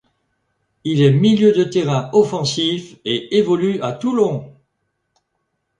Il est milieu de terrain offensif et évolue à Toulon.